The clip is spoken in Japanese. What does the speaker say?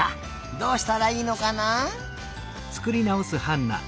どうしたらいいのかな？